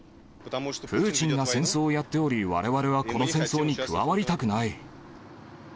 プーチンが戦争をやっており、われわれはこの戦争に加わりたくない。